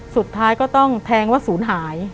สุดท้ายก็ต้องแทงว่าศูนย์หาย